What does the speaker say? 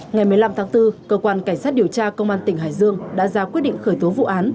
ngày một mươi năm tháng bốn cơ quan cảnh sát điều tra công an tỉnh hải dương đã ra quyết định khởi tố vụ án